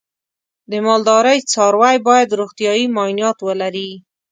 د مالدارۍ څاروی باید روغتیايي معاینات ولري.